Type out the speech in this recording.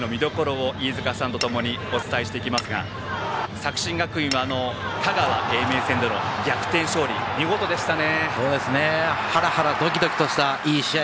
それぞれの試合の見どころを飯塚さんとともにお伝えしていますが作新学院高校、香川・英明戦での逆転勝利、見事でしたね。